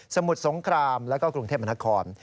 มุดสงครามแล้วก็กรุงเทพมนาคม